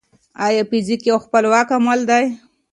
ايا فزيک يو خپلواک علم دی؟